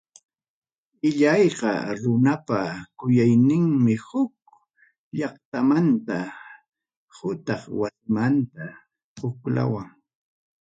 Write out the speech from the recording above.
Illayqa runapa kuyuymi huk llaqtamanta utaq wasimanta huklawman.